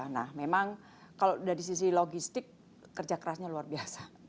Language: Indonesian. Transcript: nah memang kalau dari sisi logistik kerja kerasnya luar biasa